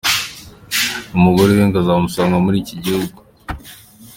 Umugore we ngo azamusanga muri iki gihugu.